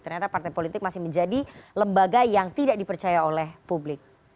ternyata partai politik masih menjadi lembaga yang tidak dipercaya oleh publik